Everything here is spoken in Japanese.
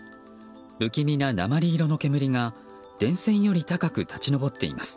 不気味な鉛色の煙が電線より高く立ち上っています。